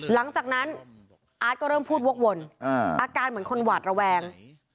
หลังจากนั้นอาร์ตก็เริ่มพูดวกวนอาการเหมือนคนหวาดระแวง